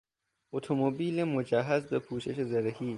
اتومبیل مجهز به پوشش زرهی